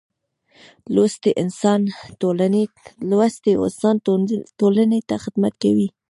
لوستی انسان ټولنې ته خدمت کوي.